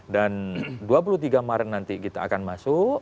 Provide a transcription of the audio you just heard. dan dua puluh tiga maret nanti kita akan masuk